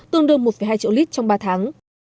tương đương một hai triệu lit trong ba tháng